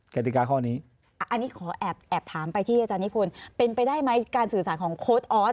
กติกาข้อนี้อันนี้ขอแอบถามไปที่อาจารย์นิพนธ์เป็นไปได้ไหมการสื่อสารของโค้ดออส